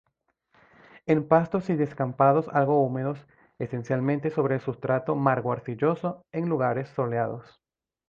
En pastos y descampados algo húmedos, esencialmente sobre sustrato margo-arcilloso en lugares soleados.